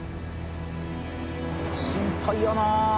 心配やなあ。